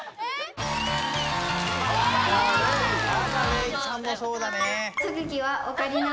あまあレイさんもそうだね。